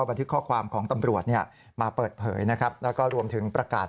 บันทึกข้อความของตำรวจเนี่ยมาเปิดเผยนะครับแล้วก็รวมถึงประกาศ